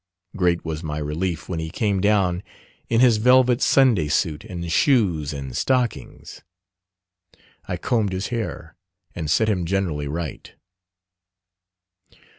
Great was my relief when he came down in his velvet Sunday suit, and shoes and stockings. I combed his hair, and set him generally right.